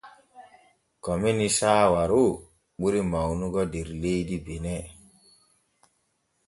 Komini saawaro ɓuri mawnugo der leydi bene.